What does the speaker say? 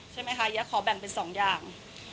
ใช่ไหมคะแยะขอแบ่งเป็น๒อย่าง